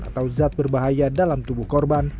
atau zat berbahaya dalam tubuh korban